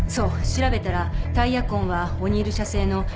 調べたらタイヤ痕はオニール社製のＧ３。